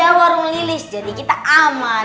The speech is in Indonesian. ya warung lilis jadi kita aman